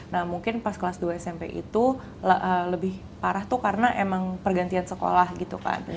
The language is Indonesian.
nah mungkin pas kelas dua smp itu lebih parah tuh karena emang pergantian sekolah gitu kan